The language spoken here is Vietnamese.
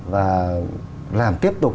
và làm tiếp tục